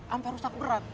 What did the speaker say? ampar rusak berat